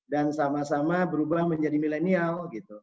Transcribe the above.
dan sama sama berubah menjadi milenial